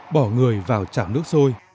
bỏ người vào chảm nước sôi